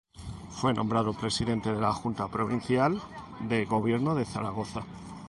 Fue nombrado Presidente de la Junta Provincial de Gobierno de Zaragoza.